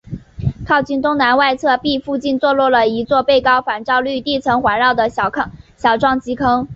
靠近东南外侧壁附近坐落了一座被高反照率地层环绕的小撞击坑。